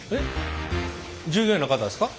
従業員の方ですか？